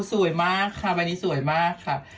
สวยมากค่ะใบนี้สวยมากค่ะ